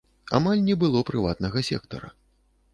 Амаль не было прыватнага сектара.